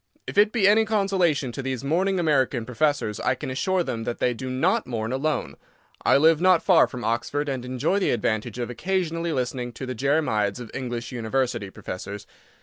If it be any consolation to these mourning American professors, I can assure them that they do not mourn alone. I live not far from Oxford, and enjoy the advantage of occasionally listening to the jeremiads of English University professors.